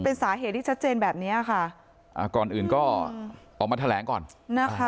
เป็นสาเหตุที่ชัดเจนแบบเนี้ยค่ะอ่าก่อนอื่นก็ออกมาแถลงก่อนนะคะ